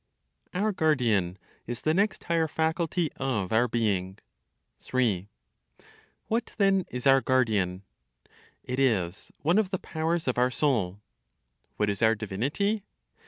OUR GUARDIAN IS THE NEXT HIGHER FACULTY OF OUR BEING. 3. What then is our guardian? It is one of the powers of our soul. What is our divinity?